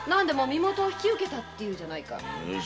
身元を引き受けたっていうじゃないか？